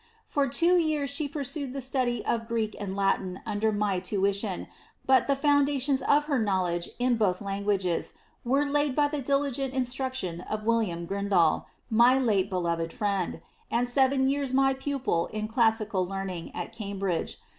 For two yeara she pursued the study of Greek and Latin under my tuition, but the foundations of her knowledge in both languages were laid by the diligent instruction of William Grindal, my late beloved friend, and seven yeara my pupil in classical learning, at Cambridge.